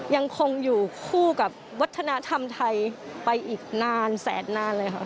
ยังคงอยู่คู่กับวัฒนธรรมไทยไปอีกนานแสนนานเลยค่ะ